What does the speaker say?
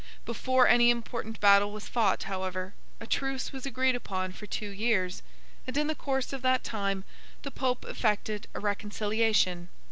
Before any important battle was fought, however, a truce was agreed upon for two years; and in the course of that time, the Pope effected a reconciliation.